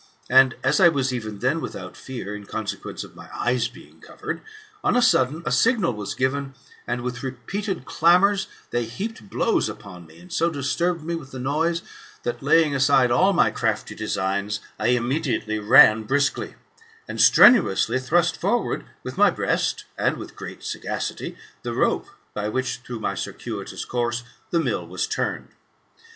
And, as I was even then without fear, in consequence of my eyes being covered, on a sudden, a signal was given, and, with repeated clamours, they heaped blows upon me, and so disturbed me with the noise, that, laying aside all my crafty designs, I immediately ran briskly, and strenuous ly thrust forward with my breast, and with great sagacity, the rope by which, through my circuitous course, the mill was turned.